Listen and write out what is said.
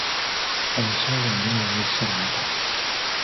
Omukyala omunene yaayise wano kati.